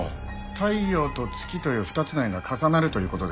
太陽と月という２つの円が重なるという事ですね。